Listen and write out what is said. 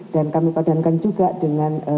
dan kami padankan juga dengan